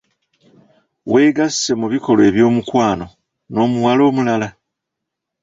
Wegasse mu bikolwa eby'omukwano n'omuwala omulala?